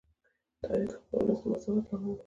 تاریخ د خپل ولس د مساوات لامل دی.